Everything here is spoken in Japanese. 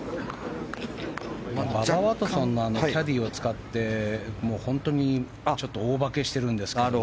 ババ・ワトソンのキャディーを使って本当に大化けしてるんですけど。